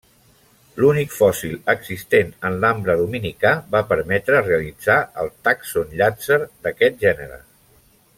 L'únic fòssil existent en l'ambre dominicà va permetre realitzar el Tàxon Llàtzer d'aquest gènere.